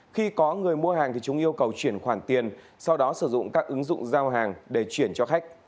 khi có người mua hàng thì chúng yêu cầu chuyển khoản tiền sau đó sử dụng các ứng dụng giao hàng để chuyển cho khách